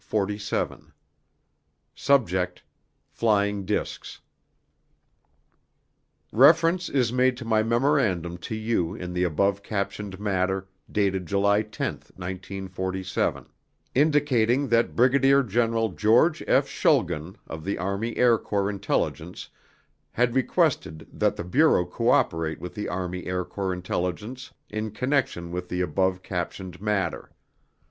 Fitch SUBJECT: FLYING DISCS Reference is made to my memorandum to you in the above captioned matter dated July 10, 1947, indicating that Brigadier General George F. Schulgen of the Army Air Corps Intelligence had requested that the Bureau cooperate with the Army Air Corps intelligence in connection with the above captioned matter.